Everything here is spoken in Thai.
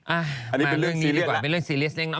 อันนี้เป็นเรื่องซีเรียสแล้ว